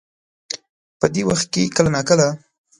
په دې وخت کې کله نا کله